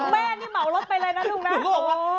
แม่นี่เหมาลดไปเลยน่ะลูกน่ะ